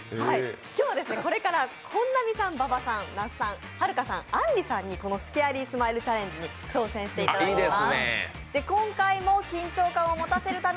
今日はこれから本並さん、那須さん馬場さん、はるかさん、あんりさんにこのスケアリースマイルチャレンジに挑戦していただきます。